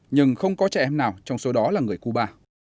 nhưng không có trẻ em nào trong số đó là người cuba